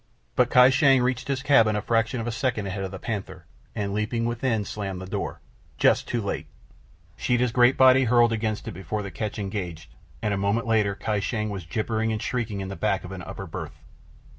But Kai Shang reached his cabin a fraction of a second ahead of the panther, and leaping within slammed the door—just too late. Sheeta's great body hurtled against it before the catch engaged, and a moment later Kai Shang was gibbering and shrieking in the back of an upper berth.